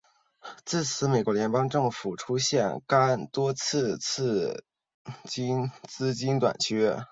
自此美国联邦政府出现廿多次次资金短缺。